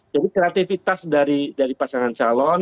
jadi kreativitas dari pasangan calon